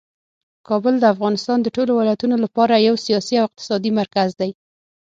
کابل د افغانستان د ټولو ولایتونو لپاره یو سیاسي او اقتصادي مرکز دی.